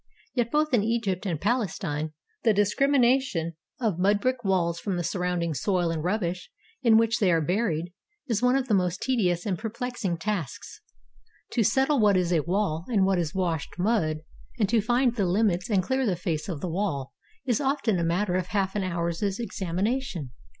Yet both in Egypt and Palestine the discrimination of mud brick EGYPT walls from the surrounding soil and rubbish in which they are buried, is one of the most tedious and perplex ing tasks. To settle what is a wall and what is washed mud, and to find the limits and clear the face of the wall, is often a matter of half an hour's examination.